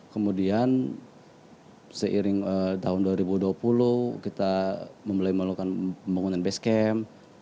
kemudian seiring tahun dua ribu dua puluh kita memulai melakukan pembangunan base camp